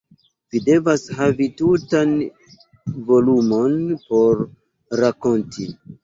Vi devas havi tutan volumon por rakonti.